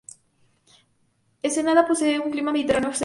Ensenada posee un clima mediterráneo seco.